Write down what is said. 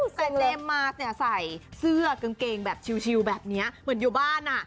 แต่เจมส์มาสเนี่ยใส่เสื้อกางเกงแบบชิลแบบนี้เหมือนอยู่บ้านอ่ะ